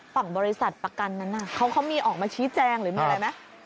ฝั่งบริษัทประกันนั้นเขามีออกมาชี้แจงหรือมีอะไรไหม